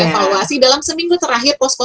evaluasi dalam seminggu terakhir posko